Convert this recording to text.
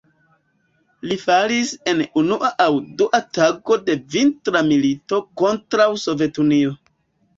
Li falis en unua aŭ dua tago de Vintra milito kontraŭ Sovetunio.